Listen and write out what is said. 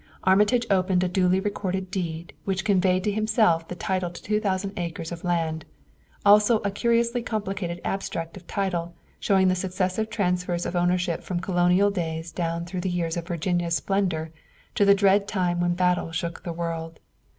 Armitage opened a duly recorded deed which conveyed to himself the title to two thousand acres of land; also a curiously complicated abstract of title showing the successive transfers of ownership from colonial days down through the years of Virginia's splendor to the dread time when battle shook the world.